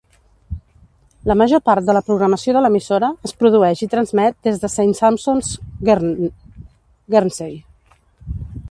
La major part de la programació de l"emissora es produeix i transmet des de Saint Sampson's, Guernsey.